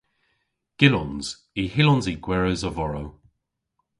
Gyllons. Y hyllons i gweres a-vorow.